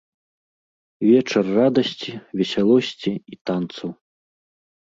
Вечар радасці, весялосці і танцаў.